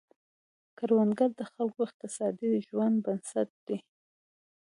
کروندګري د خلکو د اقتصادي ژوند بنسټ دی.